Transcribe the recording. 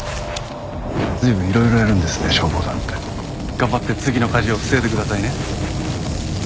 頑張って次の火事を防いでくださいね。